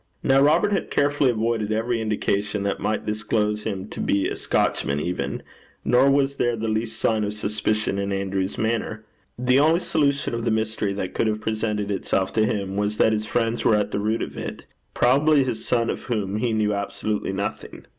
Now Robert had carefully avoided every indication that might disclose him to be a Scotchman even, nor was there the least sign of suspicion in Andrew's manner. The only solution of the mystery that could have presented itself to him was, that his friends were at the root of it probably his son, of whom he knew absolutely nothing.